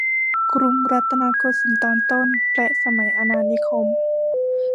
กรุงรัตนโกสินทร์ตอนต้นและสมัยอาณานิคม